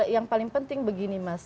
yang paling penting begini mas